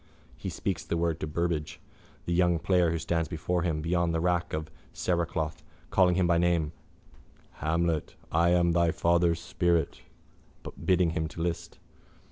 He speaks the words to Burbage, the young player who stands before him beyond the rack of cerecloth, calling him by a name: Hamlet, I am thy father's spirit, bidding him list.